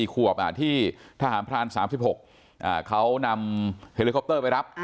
๔ขวบที่ทหารพราน๓๖เขานำเฮลิคอปเตอร์ไปรับ